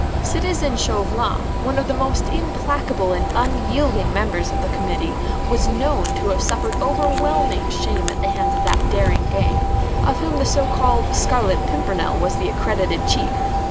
Citizen Chauvelin, one of the most implacable and unyielding members of the Committee, was known to have suffered overwhelming shame at the hands of that daring gang, of whom the so called Scarlet Pimpernel was the accredited chief.